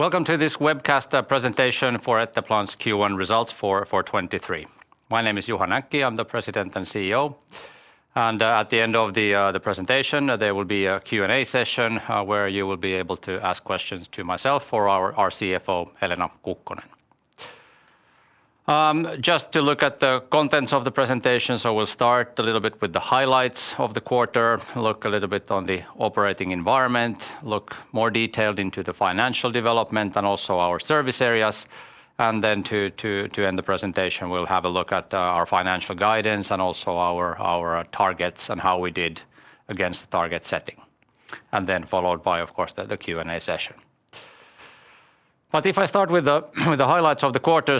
Welcome to this webcast presentation for Etteplan's Q1 results for 23. My name is Juha Näkki, I'm the President and CEO. At the end of the presentation, there will be a Q&A session where you will be able to ask questions to myself or our CFO, Helena Kukkonen. Just to look at the contents of the presentation. We'll start a little bit with the highlights of the quarter, look a little bit on the operating environment, look more detailed into the financial development and also our service areas. To end the presentation, we'll have a look at our financial guidance and also our targets and how we did against the target setting. Followed by, of course, the Q&A session. If I start with the highlights of the quarter.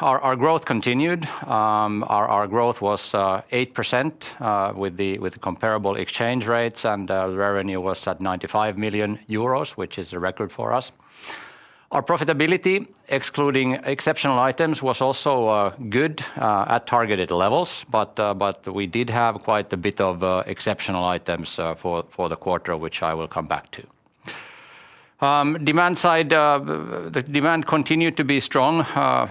Our growth continued. Our growth was 8% with the comparable exchange rates, and the revenue was at 95 million euros, which is a record for us. Our profitability, excluding exceptional items, was also good at targeted levels. We did have quite a bit of exceptional items for the quarter, which I will come back to. Demand side, the demand continued to be strong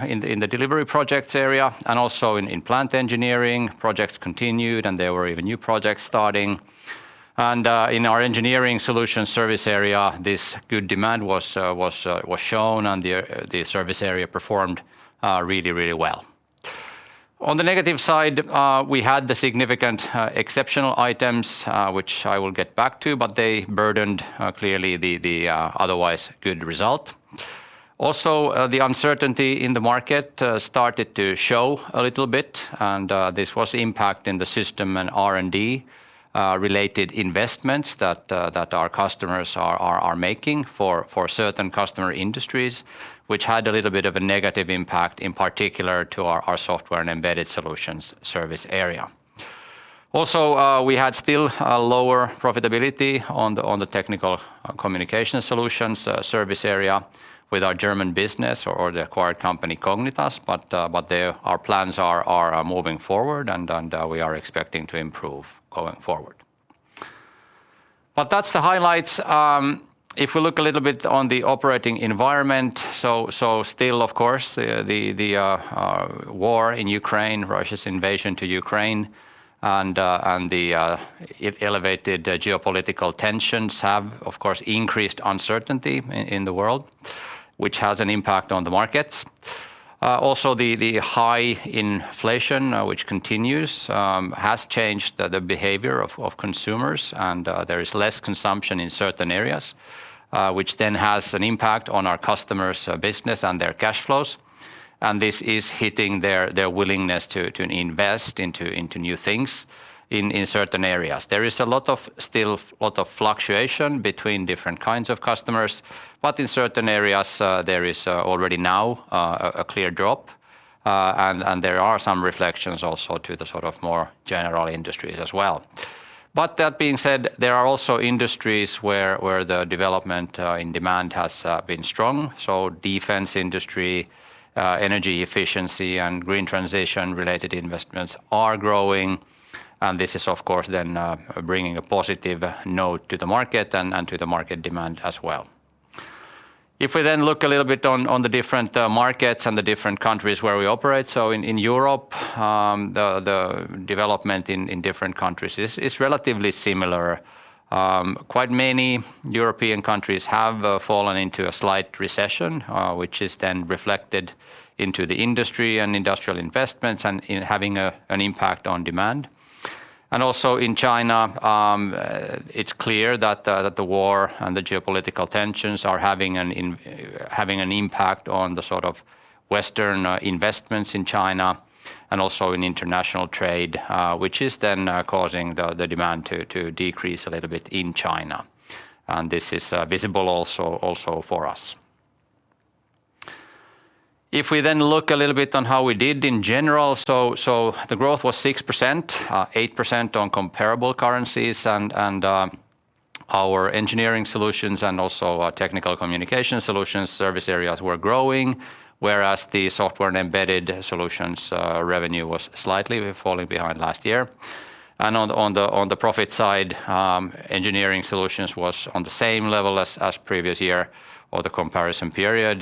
in the delivery projects area and also in Plant Engineering, projects continued, and there were even new projects starting. In our Engineering Solutions service area, this good demand was shown and the service area performed really well. On the negative side, we had the significant exceptional items, which I will get back to, but they burdened clearly the otherwise good result. Also, the uncertainty in the market started to show a little bit, and this was impacting the system and R&D related investments that our customers are making for certain customer industries, which had a little bit of a negative impact in particular to our Software and Embedded Solutions service area. Also, we had still a lower profitability on the Technical Communication Solutions service area with our German business or the acquired company, Cognitas. There our plans are moving forward and we are expecting to improve going forward. That's the highlights. If we look a little bit on the operating environment. Still, of course, the war in Ukraine, Russia's invasion to Ukraine and the elevated geopolitical tensions have, of course, increased uncertainty in the world, which has an impact on the markets. Also the high inflation, which continues, has changed the behavior of consumers, and there is less consumption in certain areas, which then has an impact on our customers' business and their cash flows. This is hitting their willingness to invest into new things in certain areas. There is a lot of fluctuation between different kinds of customers. In certain areas, there is already now a clear drop, and there are some reflections also to the sort of more general industries as well. That being said, there are also industries where the development in demand has been strong. Defense industry, energy efficiency and green transition-related investments are growing, and this is of course then bringing a positive note to the market and to the market demand as well. If we then look a little bit on the different markets and the different countries where we operate. In Europe, the development in different countries is relatively similar. Quite many European countries have fallen into a slight recession, which is then reflected into the industry and industrial investments and in having an impact on demand. Also in China, it's clear that the war and the geopolitical tensions are having an impact on the sort of Western investments in China and also in international trade, which is then causing the demand to decrease a little bit in China. This is visible also for us. If we then look a little bit on how we did in general. The growth was 6%, 8% on comparable currencies, our Engineering Solutions and also our Technical Communication Solutions service areas were growing, whereas the Software and Embedded Solutions revenue was slightly falling behind last year. On the profit side, Engineering Solutions was on the same level as previous year or the comparison period.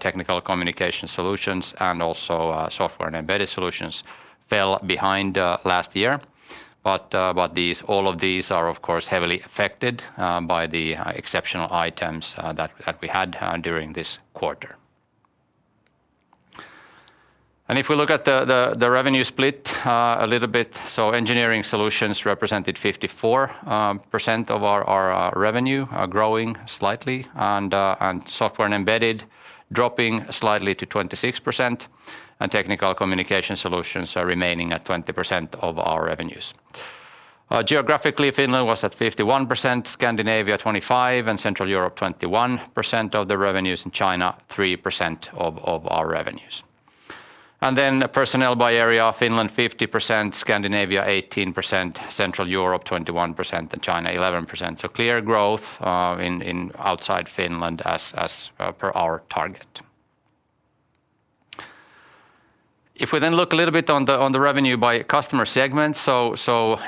Technical Communication Solutions and also Software and Embedded Solutions fell behind last year. All of these are of course heavily affected by the exceptional items that we had during this quarter. If we look at the revenue split a little bit. Engineering Solutions represented 54% of our revenue, growing slightly. Software and Embedded Solutions dropping slightly to 26%. Technical Communication Solutions are remaining at 20% of our revenues. Geographically, Finland was at 51%, Scandinavia 25%, and Central Europe 21% of the revenues, and China 3% of our revenues. Personnel by area: Finland 50%, Scandinavia 18%, Central Europe 21%, and China 11%. Clear growth outside Finland as per our target. If we look a little bit on the revenue by customer segment,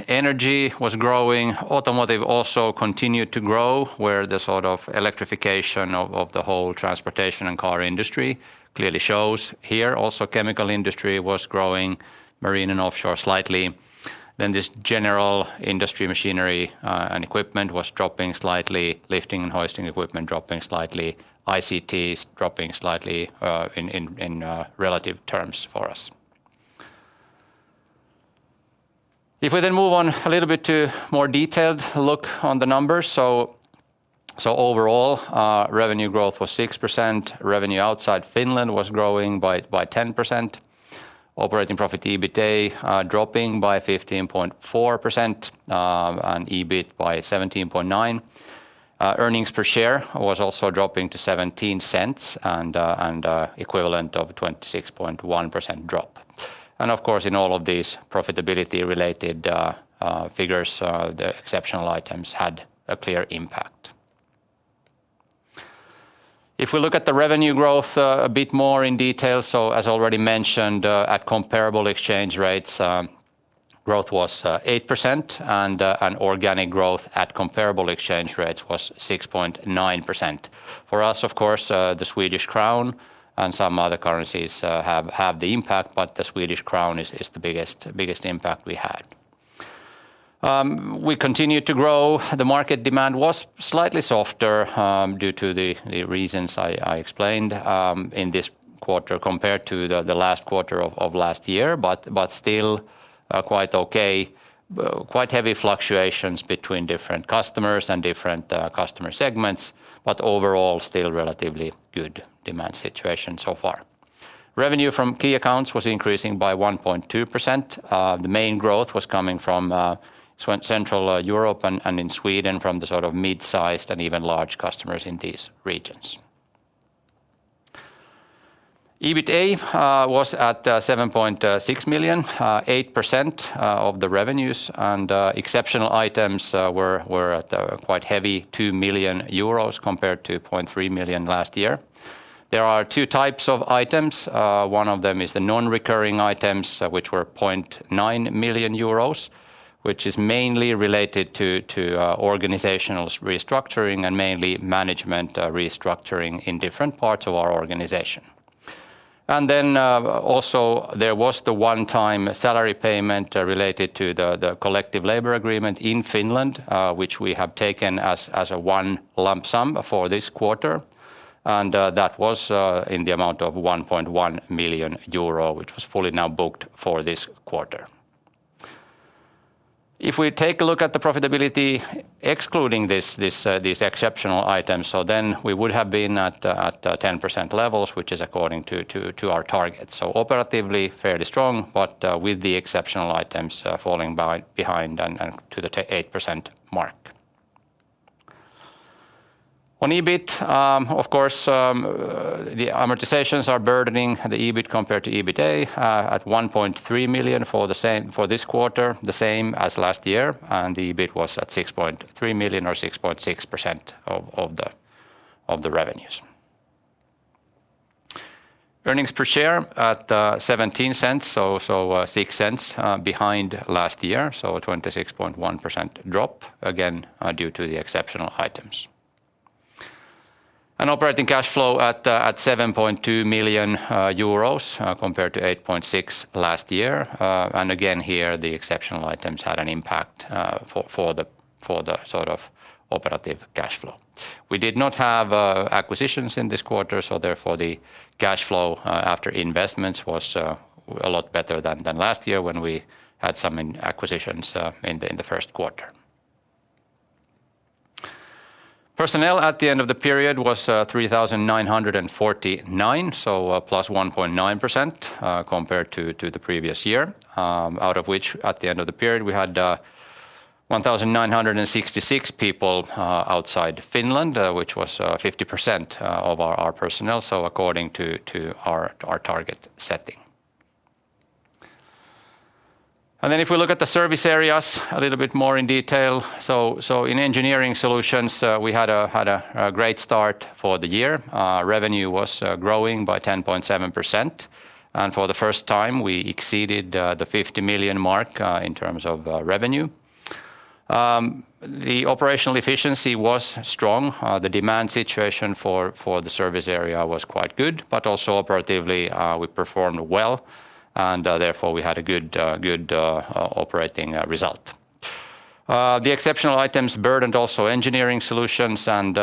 energy was growing, automotive also continued to grow, where the sort of electrification of the whole transportation and car industry clearly shows here. Also, chemical industry was growing, marine and offshore slightly. This general industry machinery and equipment was dropping slightly. Lifting and hoisting equipment dropping slightly. ICT is dropping slightly in relative terms for us. If we move on a little bit to more detailed look on the numbers. Overall, revenue growth was 6%. Revenue outside Finland was growing by 10%. Operating profit EBITDA dropping by 15.4% and EBIT by 17.9%. Earnings per share was also dropping to 0.17 and equivalent of 26.1% drop. Of course, in all of these profitability-related figures, the exceptional items had a clear impact. If we look at the revenue growth a bit more in detail, as already mentioned, at comparable exchange rates, growth was 8% and organic growth at comparable exchange rates was 6.9%. For us, of course, the Swedish crown and some other currencies have the impact, but the Swedish crown is the biggest impact we had. We continued to grow. The market demand was slightly softer, due to the reasons I explained, in this quarter compared to the last quarter of last year, but still quite okay. Quite heavy fluctuations between different customers and different customer segments, but overall, still relatively good demand situation so far. Revenue from key accounts was increasing by 1.2%. The main growth was coming from Central Europe and in Sweden from the sort of mid-sized and even large customers in these regions. EBITDA was at 7.6 million, 8% of the revenues, and exceptional items were at a quite heavy 2 million euros compared to 0.3 million last year. There are two types of items. One of them is the non-recurring items, which were 0.9 million euros, which is mainly related to organizational restructuring and mainly management restructuring in different parts of our organization. Also there was the one-time salary payment related to the collective labor agreement in Finland, which we have taken as a one lump sum for this quarter. That was in the amount of 1.1 million euro, which was fully now booked for this quarter. If we take a look at the profitability excluding these exceptional items, we would have been at 10% levels, which is according to our targets. Operatively, fairly strong, but with the exceptional items falling behind and to the 8% mark. On EBIT, of course, the amortizations are burdening the EBIT compared to EBITDA, at 1.3 million for this quarter, the same as last year, and the EBIT was at 6.3 million or 6.6% of the revenues. Earnings per share at 0.17, so 0.06 behind last year, so a 26.1% drop, again, due to the exceptional items. Operating cash flow at 7.2 million euros, compared to 8.6 million last year. Again, here, the exceptional items had an impact for the sort of operative cash flow. We did not have acquisitions in this quarter, so therefore the cash flow after investments was a lot better than last year when we had some acquisitions in the first quarter. Personnel at the end of the period was 3,949, so plus 1.9% compared to the previous year. Out of which, at the end of the period, we had 1,966 people outside Finland, which was 50% of our personnel, so according to our target setting. If we look at the service areas a little bit more in detail, so in Engineering Solutions, we had a great start for the year. Revenue was growing by 10.7%, and for the first time, we exceeded the 50 million mark in terms of revenue. The operational efficiency was strong. The demand situation for the service area was quite good, but also operatively, we performed well, and therefore, we had a good operating result. The exceptional items burdened also Engineering Solutions and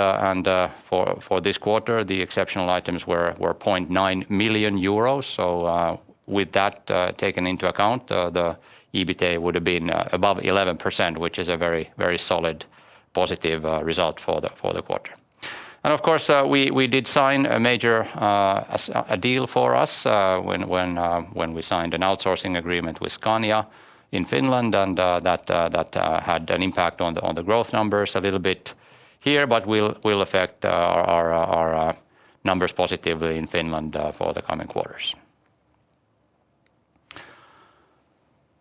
for this quarter, the exceptional items were 0.9 million euros. With that taken into account, the EBITDA would have been above 11%, which is a very, very solid positive result for the quarter. Of course, we did sign a major deal for us when we signed an outsourcing agreement with Scania in Finland, and that had an impact on the growth numbers a little bit here, but will affect our numbers positively in Finland for the coming quarters.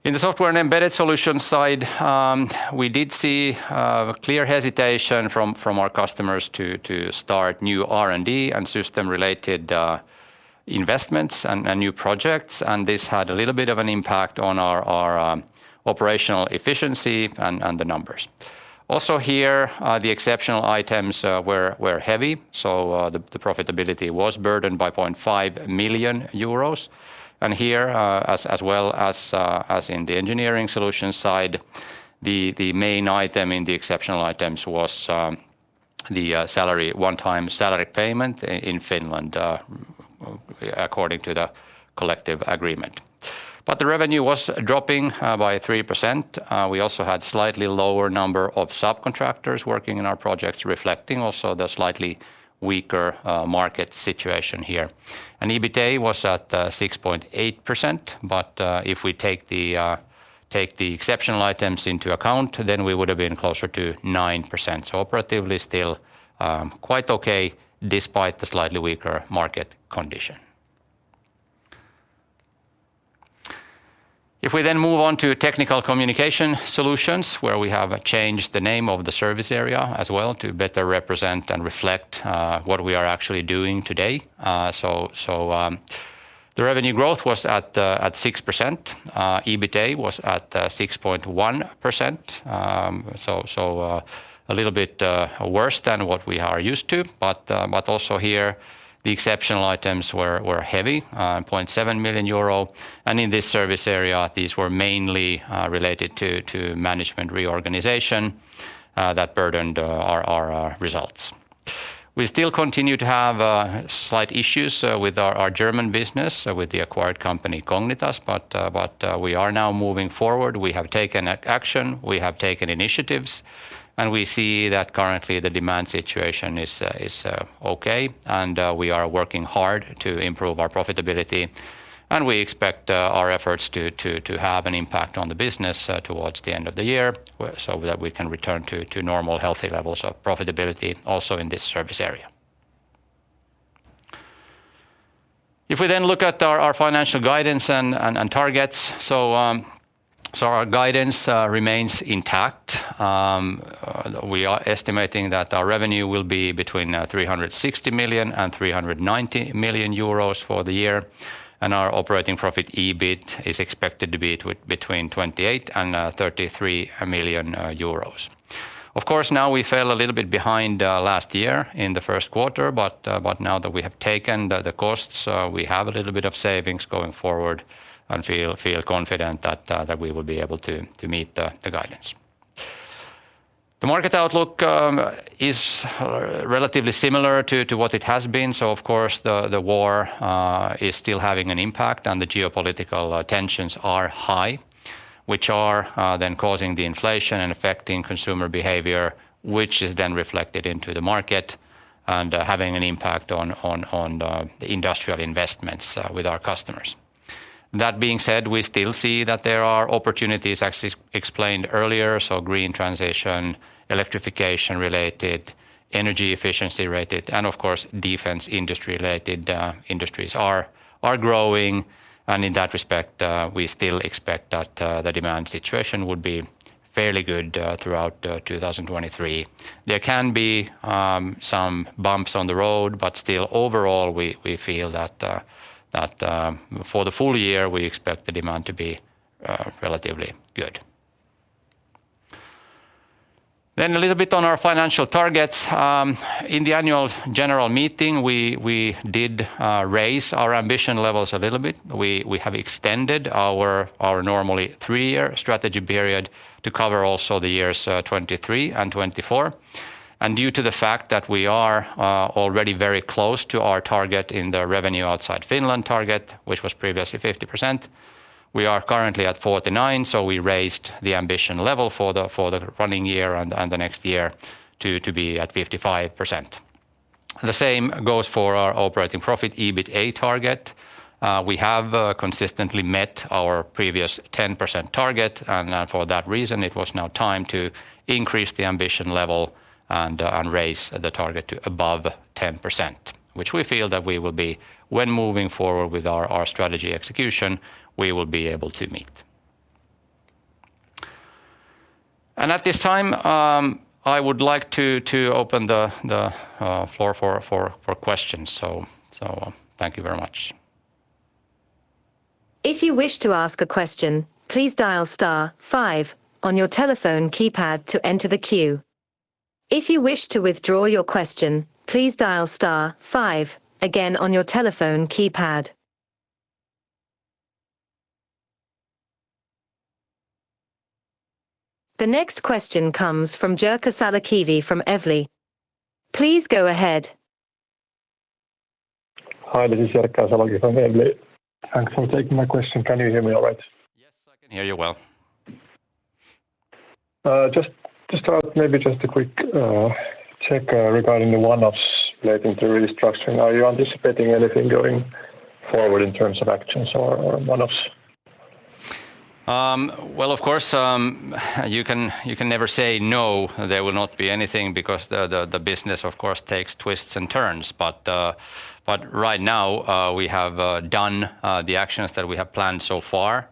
In the Software and Embedded Solutions side, we did see clear hesitation from our customers to start new R&D and system-related investments and new projects. This had a little bit of an impact on our operational efficiency and the numbers. Also here, the exceptional items were heavy, so the profitability was burdened by 0.5 million euros. Here, as well as in the Engineering Solution side, the main item in the exceptional items was the one-time salary payment in Finland, according to the collective agreement. The revenue was dropping by 3%. We also had slightly lower number of subcontractors working in our projects, reflecting also the slightly weaker market situation here. EBITA was at 6.8%, but if we take the exceptional items into account, we would have been closer to 9%. Operatively still quite okay despite the slightly weaker market condition. We move on to Technical Communication Solutions, where we have changed the name of the service area as well to better represent and reflect what we are actually doing today. The revenue growth was at 6%. EBITA was at 6.1%. A little bit worse than what we are used to. Also here the exceptional items were heavy, 0.7 million euro. In this service area, these were mainly related to management reorganization that burdened our results. We still continue to have slight issues with our German business with the acquired company, Cognitas. We are now moving forward. We have taken action, we have taken initiatives, and we see that currently the demand situation is okay. We are working hard to improve our profitability, and we expect our efforts to have an impact on the business towards the end of the year so that we can return to normal healthy levels of profitability also in this service area. If we look at our financial guidance and targets. Our guidance remains intact. We are estimating that our revenue will be between 360 million and 390 million euros for the year, and our operating profit, EBIT, is expected to be between 28 million and 33 million euros. Of course, now we fell a little bit behind last year in the first quarter, but now that we have taken the costs, we have a little bit of savings going forward and feel confident that we will be able to meet the guidance. The market outlook is relatively similar to what it has been. Of course, the war is still having an impact and the geopolitical tensions are high, which are then causing the inflation and affecting consumer behavior, which is then reflected into the market and having an impact on the industrial investments with our customers. That being said, we still see that there are opportunities as explained earlier. Green transition, electrification-related, energy efficiency-related, and of course, defense industry-related industries are growing. In that respect, we still expect that the demand situation would be fairly good throughout 2023. There can be some bumps on the road, but still overall, we feel that that for the full year, we expect the demand to be relatively good. A little bit on our financial targets. In the annual general meeting, we did raise our ambition levels a little bit. We, we have extended our normally three-year strategy period to cover also the years 23 and 24. Due to the fact that we are already very close to our target in the revenue outside Finland target, which was previously 50%, we are currently at 49%, so we raised the ambition level for the running year and the next year to be at 55%. The same goes for our operating profit, EBITA target. We have consistently met our previous 10% target, and for that reason, it was now time to increase the ambition level and raise the target to above 10%, which we feel that we will be when moving forward with our strategy execution, we will be able to meet. At this time, I would like to open the floor for questions. Thank you very much. If you wish to ask a question, please dial star five on your telephone keypad to enter the queue. If you wish to withdraw your question, please dial star five again on your telephone keypad. The next question comes from Jerker Salokivi from Evli. Please go ahead. Hi, this is Jerker Salokivi from Evli. Thanks for taking my question. Can you hear me all right? Yes, I can hear you well. Just to start, maybe just a quick check regarding the one-offs relating to restructuring. Are you anticipating anything going forward in terms of actions or one-offs? Well, of course, you can never say no, there will not be anything because the business of course takes twists and turns. Right now, we have done the actions that we have planned so far.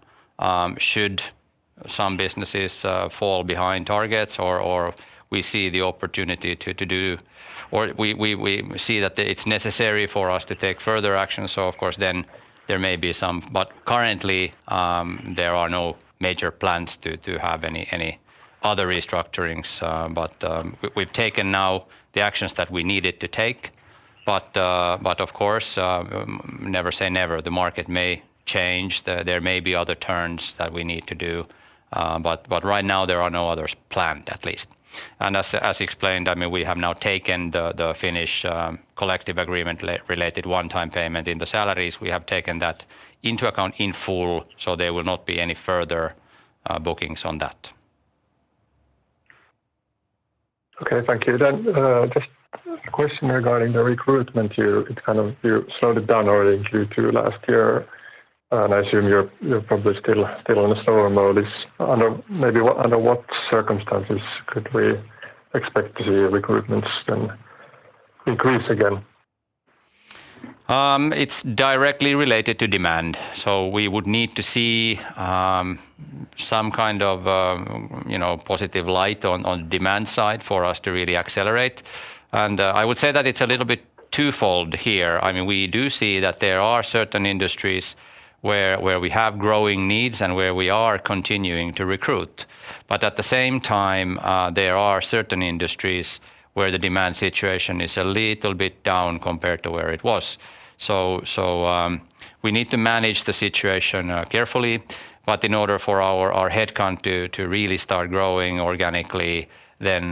Some businesses fall behind targets or we see the opportunity to do. We see that it's necessary for us to take further action. Of course, there may be some. Currently, there are no major plans to have any other restructurings. We've taken now the actions that we needed to take. Of course, never say never. The market may change. There may be other turns that we need to do, right now there are no others planned, at least. As explained, I mean, we have now taken the Finnish collective labor agreement related one-time payment in the salaries. We have taken that into account in full, there will not be any further bookings on that. Okay. Thank you. Just a question regarding the recruitment here. It kind of you slowed it down already due to last year. I assume you're probably still in a slower mode. Under what circumstances could we expect to see recruitments then increase again? It's directly related to demand. We would need to see, some kind of, you know, positive light on demand side for us to really accelerate. I would say that it's a little bit twofold here. I mean, we do see that there are certain industries where we have growing needs and where we are continuing to recruit. At the same time, there are certain industries where the demand situation is a little bit down compared to where it was. We need to manage the situation, carefully. In order for our headcount to really start growing organically, then,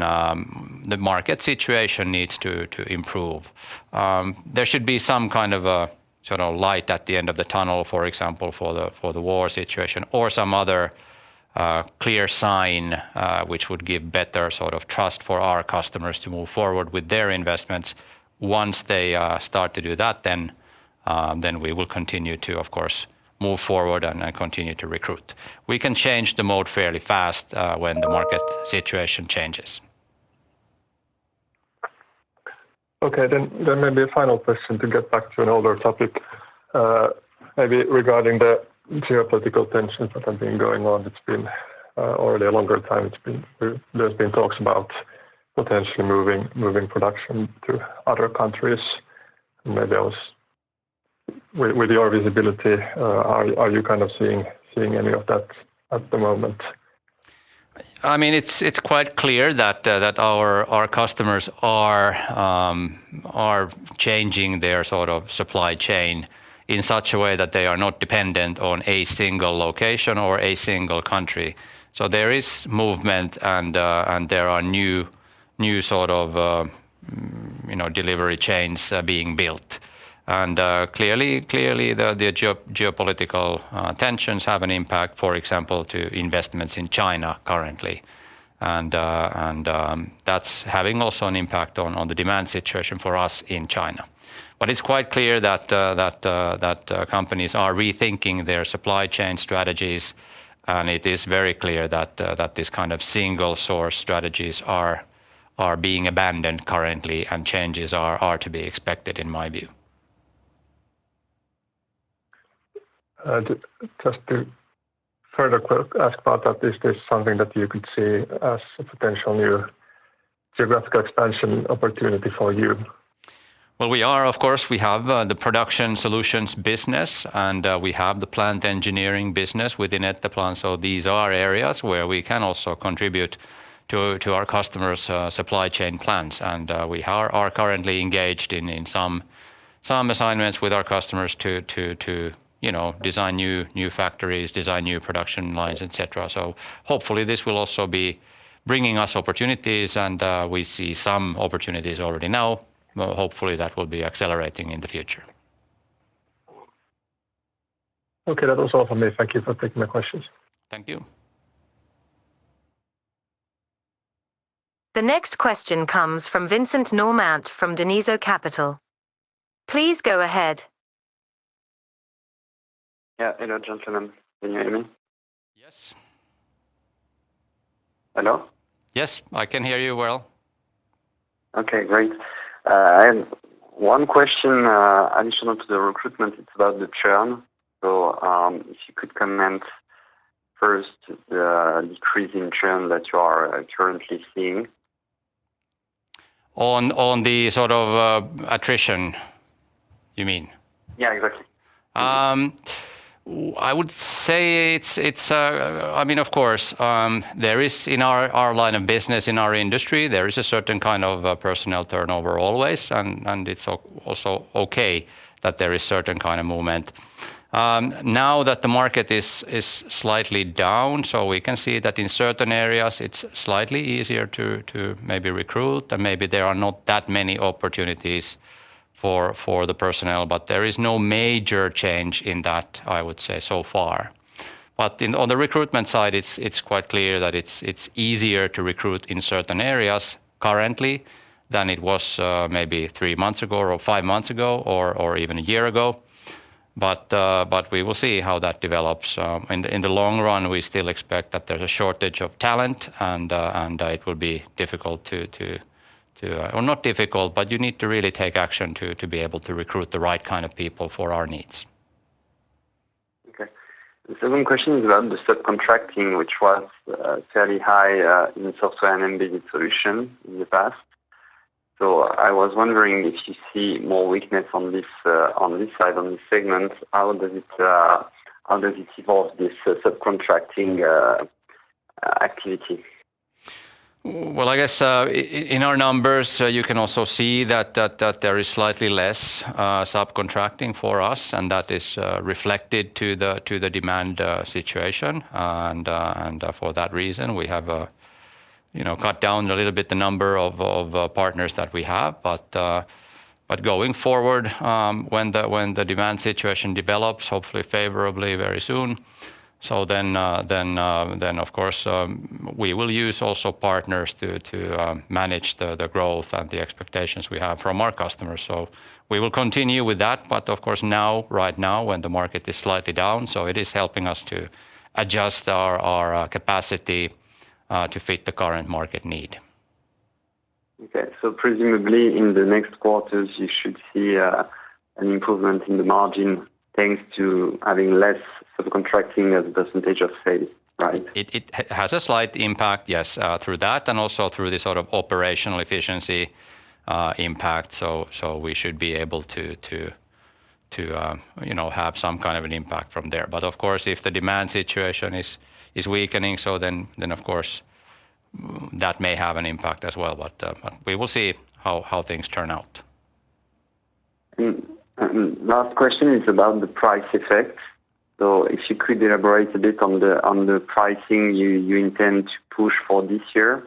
the market situation needs to improve. There should be some kind of a sort of light at the end of the tunnel, for example, for the war situation or some other, clear sign, which would give better sort of trust for our customers to move forward with their investments. Once they start to do that, then we will continue to, of course, move forward and continue to recruit. We can change the mode fairly fast, when the market situation changes. Okay. Maybe a final question to get back to an older topic, maybe regarding the geopolitical tensions that have been going on. It's been already a longer time. There's been talks about potentially moving production to other countries. With your visibility, are you kind of seeing any of that at the moment? I mean, it's quite clear that our customers are changing their sort of supply chain in such a way that they are not dependent on a single location or a single country. There is movement and there are new sort of, you know, delivery chains being built. Clearly the geopolitical tensions have an impact, for example, to investments in China currently. That's having also an impact on the demand situation for us in China. It's quite clear that companies are rethinking their supply chain strategies, and it is very clear that this kind of single source strategies are being abandoned currently and changes are to be expected, in my view. Just to further ask about that, is this something that you could see as a potential new geographical expansion opportunity for you? Well, we are, of course. We have the Production Solutions business, and we have the Plant Engineering business within Etteplan. These are areas where we can also contribute to our customers supply chain plans. We are currently engaged in some assignments with our customers to, you know, design new factories, design new production lines, et cetera. Hopefully this will also be bringing us opportunities and we see some opportunities already now. Hopefully, that will be accelerating in the future. Okay. That was all from me. Thank you for taking my questions. Thank you. The next question comes from Vincent Normant from Daneizo Capital. Please go ahead. Yeah. Hello, gentlemen. Can you hear me? Yes. Hello? Yes, I can hear you well. Okay, great. I have one question additional to the recruitment. It's about the churn. If you could comment first the decreasing churn that you are currently seeing? On the sort of attrition you mean? Yeah, exactly. I would say it's... I mean, of course, there is in our line of business, in our industry, there is a certain kind of personnel turnover always. It's also okay that there is certain kind of movement. Now that the market is slightly down, so we can see that in certain areas it's slightly easier to maybe recruit, and maybe there are not that many opportunities for the personnel. There is no major change in that, I would say, so far. On the recruitment side, it's quite clear that it's easier to recruit in certain areas currently than it was, maybe three months ago or five months ago or even a year ago. We will see how that develops. In the long run, we still expect that there's a shortage of talent and it will be difficult, Or not difficult, but you need to really take action to be able to recruit the right kind of people for our needs. Okay. The second question is around the subcontracting, which was fairly high in the Software and Embedded Solutions in the past. I was wondering if you see more weakness on this on this side, on this segment. How does it, how does it evolve this subcontracting activity? Well, I guess, in our numbers, you can also see that there is slightly less subcontracting for us and that is reflected to the demand situation. For that reason, we have, you know, cut down a little bit the number of partners that we have. Going forward, when the demand situation develops, hopefully favorably very soon, then of course, we will use also partners to manage the growth and the expectations we have from our customers. We will continue with that, but of course now, right now, when the market is slightly down, it is helping us to adjust our capacity to fit the current market need. Okay. Presumably in the next quarters you should see an improvement in the margin thanks to having less subcontracting as a percentage of sales, right? It has a slight impact, yes, through that and also through the sort of operational efficiency, impact. We should be able to, you know, have some kind of an impact from there. Of course, if the demand situation is weakening, then of course, that may have an impact as well. We will see how things turn out. Last question is about the price effect. If you could elaborate a bit on the, on the pricing you intend to push for this year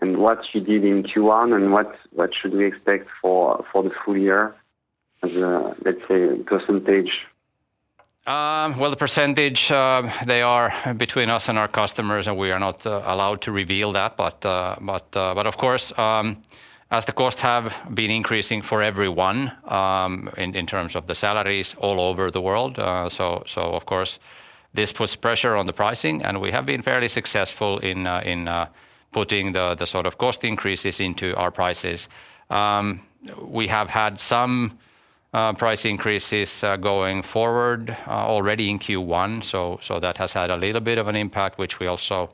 and what you did in Q1 and what should we expect for the full year as a, let's say, percentage? Well, the percentage, they are between us and our customers, and we are not allowed to reveal that. Of course, as the costs have been increasing for everyone, in terms of the salaries all over the world, so of course, this puts pressure on the pricing and we have been fairly successful in putting the sort of cost increases into our prices. We have had some price increases going forward already in Q1 so that has had a little bit of an impact, which we also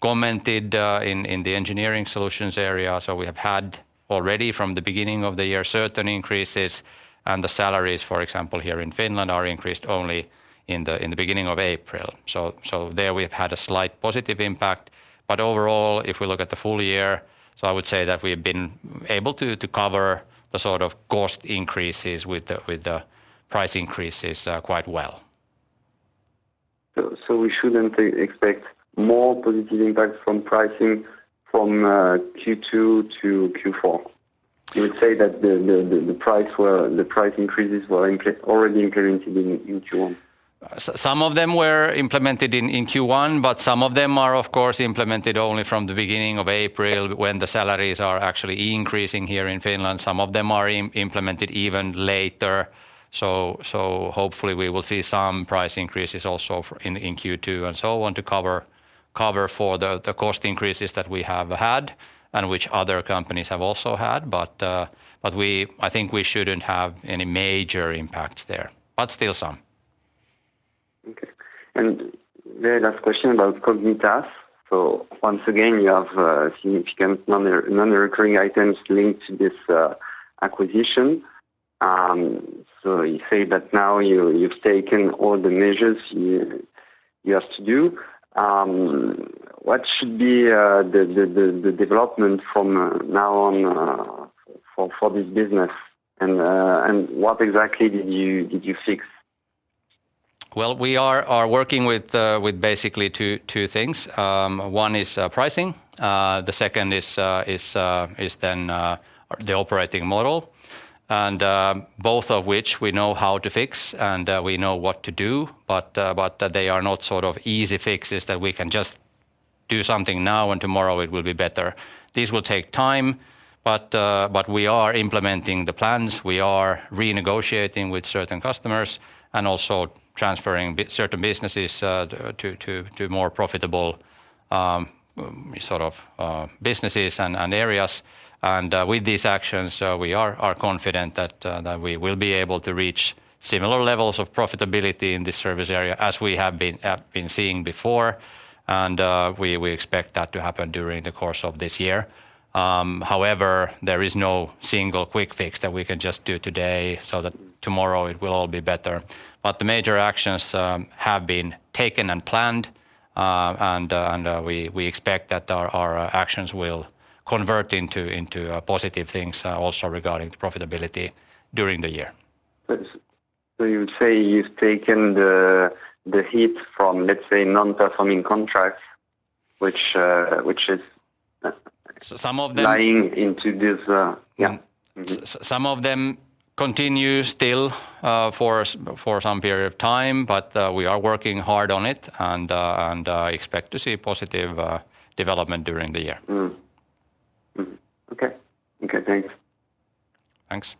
commented in the Engineering Solutions area. We have had already from the beginning of the year certain increases and the salaries, for example, here in Finland are increased only in the beginning of April. There we have had a slight positive impact. Overall, if we look at the full year, I would say that we have been able to cover the sort of cost increases with the, with the price increases, quite well. We shouldn't expect more positive impacts from pricing from Q2 to Q4? You would say that the price increases were already included in Q1? Some of them were implemented in Q1, but some of them are of course implemented only from the beginning of April when the salaries are actually increasing here in Finland. Some of them are implemented even later. So hopefully we will see some price increases also in Q2 and so on to cover for the cost increases that we have had and which other companies have also had. I think we shouldn't have any major impacts there, but still some. The last question about Cognitas. Once again, you have significant non-recurring items linked to this acquisition. You say that now you've taken all the measures you have to do. What should be the development from now on for this business and what exactly did you fix? Well, we are working with with basically two things. One is pricing. The second is then the operating model. Both of which we know how to fix and we know what to do. They are not sort of easy fixes that we can just do something now and tomorrow it will be better. These will take time, but we are implementing the plans. We are renegotiating with certain customers and also transferring certain businesses to more profitable sort of businesses and areas. With these actions, we are confident that we will be able to reach similar levels of profitability in this service area as we have been seeing before. We expect that to happen during the course of this year. However, there is no single quick fix that we can just do today so that tomorrow it will all be better. The major actions have been taken and planned, and we expect that our actions will convert into positive things also regarding the profitability during the year. You would say you've taken the hit from, let's say, non-performing contracts? Some of them- Lying into this. Yeah. Some of them continue still, for some period of time, but we are working hard on it and expect to see positive development during the year. Okay. Okay, thanks. Thanks.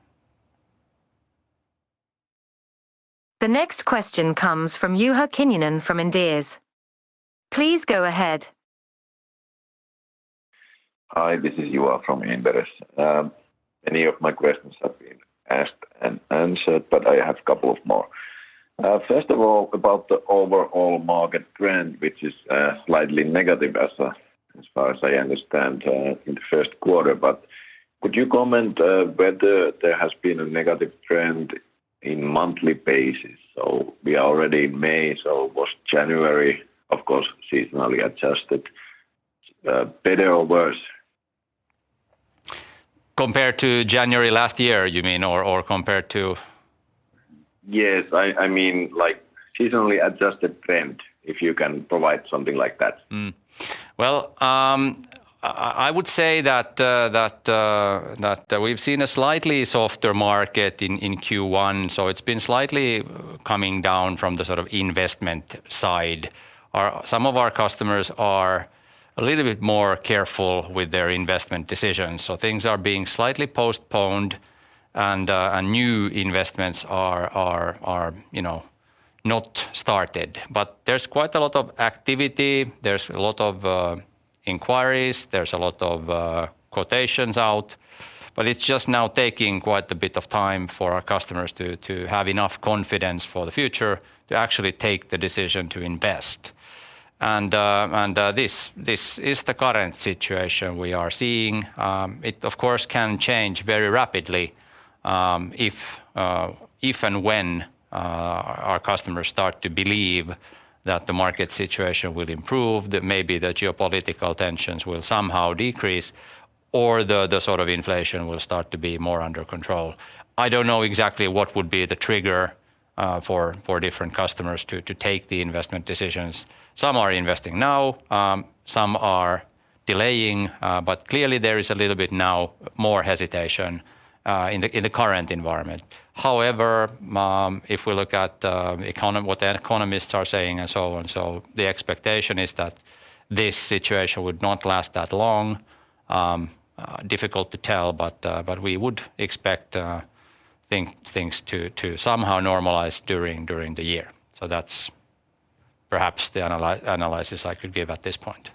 The next question comes from Juha Kinnunen from Inderes. Please go ahead. Hi, this is Juha from Inderes. Many of my questions have been asked and answered, but I have a couple of more. First of all, about the overall market trend, which is slightly negative as far as I understand, in the 1st quarter. Could you comment whether there has been a negative trend in monthly basis? We are already in May, so was January, of course, seasonally adjusted, better or worse? Compared to January last year, you mean, or compared to? Yes. I mean, like seasonally adjusted trend, if you can provide something like that. I would say that we've seen a slightly softer market in Q1, so it's been slightly coming down from the sort of investment side. Some of our customers are a little bit more careful with their investment decisions, so things are being slightly postponed and new investments are, you know, not started. There's quite a lot of activity, there's a lot of inquiries, there's a lot of quotations out, but it's just now taking quite a bit of time for our customers to have enough confidence for the future to actually take the decision to invest. This, this is the current situation we are seeing. It of course can change very rapidly, if and when our customers start to believe that the market situation will improve, that maybe the geopolitical tensions will somehow decrease or the sort of inflation will start to be more under control. I don't know exactly what would be the trigger for different customers to take the investment decisions. Some are investing now, some are delaying, but clearly there is a little bit now more hesitation in the current environment. If we look at what the economists are saying and so on, the expectation is that this situation would not last that long. Difficult to tell, but we would expect things to somehow normalize during the year. That's perhaps the analysis I could give at this point.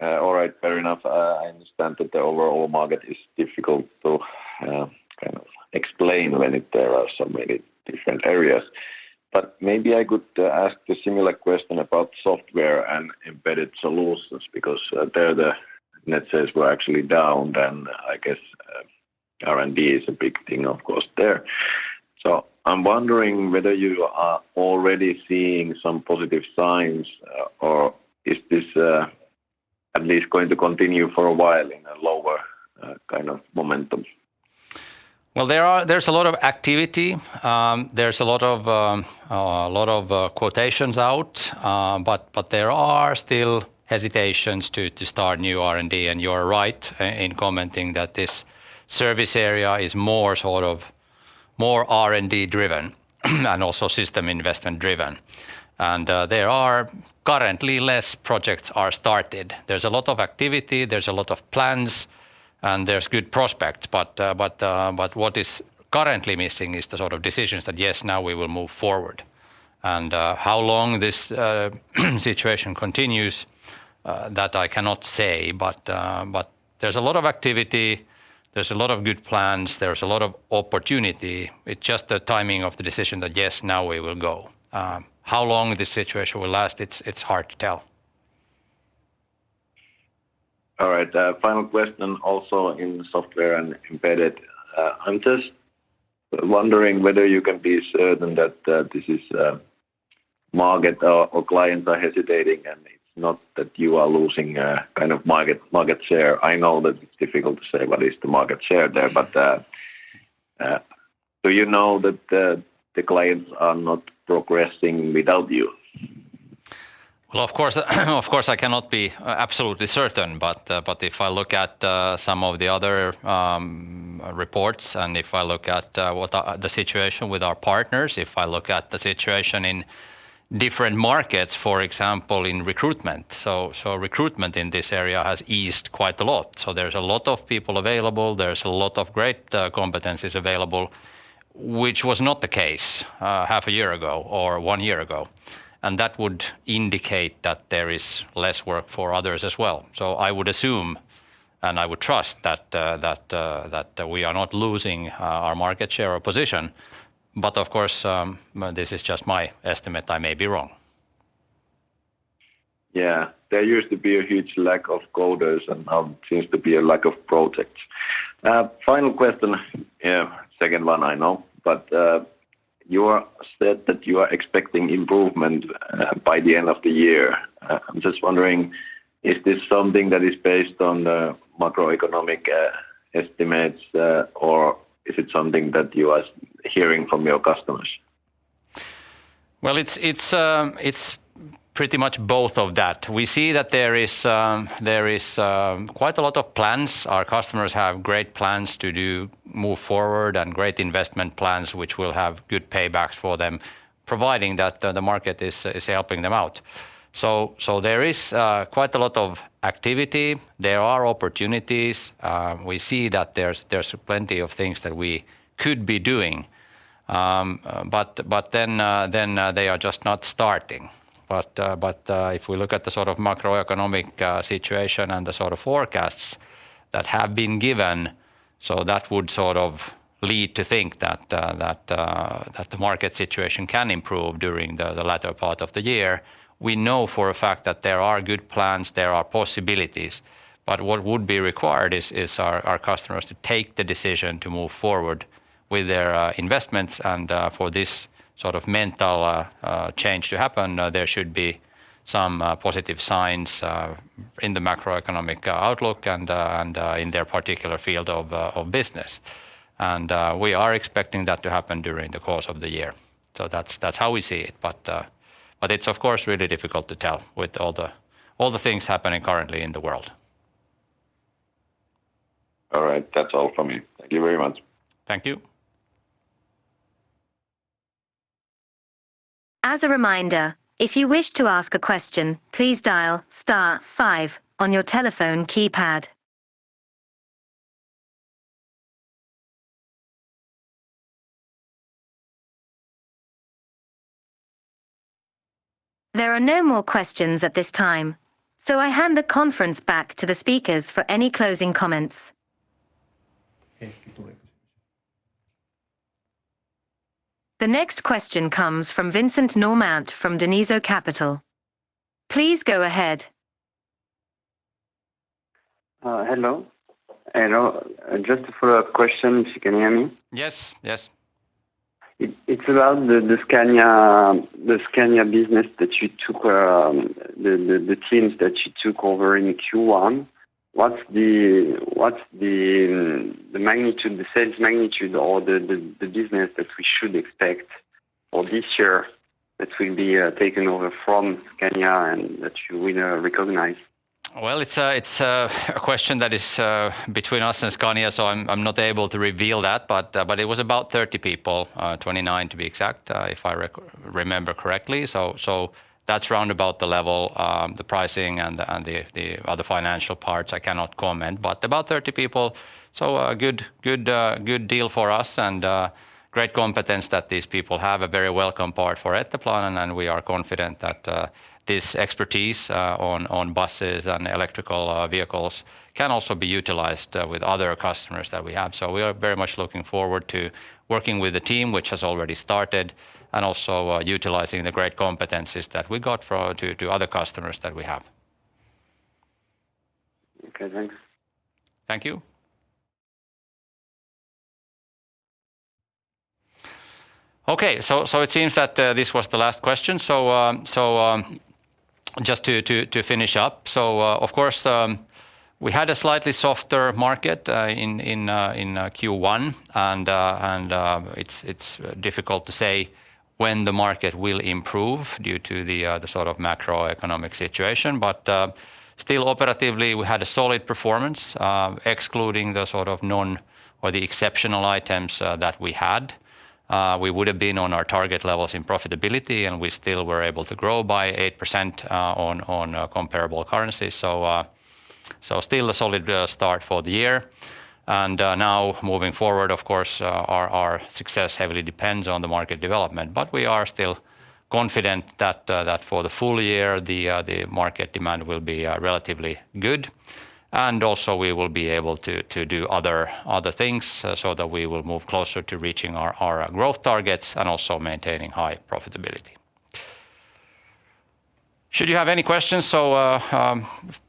All right. Fair enough. I understand that the overall market is difficult to kind of explain when there are so many different areas. Maybe I could ask the similar question about Software and Embedded Solutions because there the net sales were actually down then? I guess R&D is a big thing, of course, there. I'm wondering whether you are already seeing some positive signs or is this at least going to continue for a while in a lower kind of momentum? Well, there's a lot of activity. There's a lot of quotations out, but there are still hesitations to start new R&D. You're right in commenting that this service area is more sort of more R&D driven and also system investment driven. There are currently less projects are started. There's a lot of activity, there's a lot of plans, and there's good prospects, but what is currently missing is the sort of decisions that, "Yes, now we will move forward." How long this situation continues, that I cannot say. There's a lot of activity, there's a lot of good plans, there's a lot of opportunity, it's just the timing of the decision that, "Yes, now we will go." How long this situation will last, it's hard to tell. All right. final question also in Software and Embedded, hunters. Wondering whether you can be certain that this is market or clients are hesitating and it's not that you are losing, kind of market share. I know that it's difficult to say what is the market share there, but do you know that the clients are not progressing without you? Well, of course, I cannot be absolutely certain. If I look at some of the other reports and if I look at what are the situation with our partners, if I look at the situation in different markets, for example, in recruitment, so recruitment in this area has eased quite a lot. There's a lot of people available, there's a lot of great competencies available, which was not the case half a year ago or one year ago. That would indicate that there is less work for others as well. I would assume, and I would trust that we are not losing our market share or position. Of course, this is just my estimate. I may be wrong. Yeah. There used to be a huge lack of coders and now seems to be a lack of projects. Final question. Yeah, second one I know. You said that you are expecting improvement by the end of the year. I'm just wondering, is this something that is based on the macroeconomic estimates or is it something that you are hearing from your customers? Well, it's pretty much both of that. We see that there is quite a lot of plans. Our customers have great plans to do move forward and great investment plans, which will have good paybacks for them, providing that the market is helping them out. There is quite a lot of activity. There are opportunities. We see that there's plenty of things that we could be doing, but then they are just not starting. If we look at the sort of macroeconomic situation and the sort of forecasts that have been given. That would sort of lead to think that the market situation can improve during the latter part of the year. We know for a fact that there are good plans, there are possibilities, but what would be required is our customers to take the decision to move forward with their investments and for this sort of mental change to happen, there should be some positive signs in the macroeconomic outlook and in their particular field of business? We are expecting that to happen during the course of the year. That's how we see it. It's of course really difficult to tell with all the things happening currently in the world. All right. That's all from me. Thank you very much. Thank you. As a reminder, if you wish to ask a question, please dial star five on your telephone keypad. There are no more questions at this time. I hand the conference back to the speakers for any closing comments. The next question comes from Vincent Normant from Daneizo Capital. Please go ahead. Hello. Just a follow-up question, if you can hear me? Yes. Yes. It's about the Scania, the Scania business that you took, the teams that you took over in Q1. What's the magnitude, the sales magnitude or the business that we should expect for this year that will be taken over from Scania and that you will recognize? It's a question that is between us and Scania, so I'm not able to reveal that. It was about 30 people, 29 to be exact, if I remember correctly. That's round about the level. The pricing and the other financial parts I cannot comment, but about 30 people. A good deal for us and great competence that these people have, a very welcome part for Etteplan, and we are confident that this expertise on buses and electrical vehicles can also be utilized with other customers that we have. We are very much looking forward to working with the team, which has already started, and also utilizing the great competencies that we got for... To other customers that we have. Okay, thanks. Thank you. Okay. It seems that this was the last question. Just to finish up. Of course, we had a slightly softer market in Q1, and it's difficult to say when the market will improve due to the macroeconomic situation. Still operatively, we had a solid performance. Excluding the sort of non or the exceptional items that we had, we would have been on our target levels in profitability, and we still were able to grow by 8% on comparable currency. Still a solid start for the year. Now moving forward, of course, our success heavily depends on the market development. We are still confident that for the full year, the market demand will be relatively good, and also we will be able to do other things so that we will move closer to reaching our growth targets and also maintaining high profitability. Should you have any questions,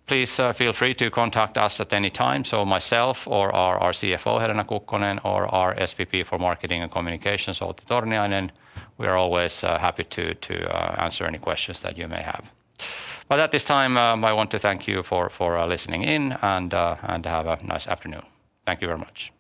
please feel free to contact us at any time, myself or our CFO, Helena Kukkonen, or our SVP for Marketing and Communications, Outi Torniainen. We are always happy to answer any questions that you may have. At this time, I want to thank you for listening in and have a nice afternoon. Thank you very much.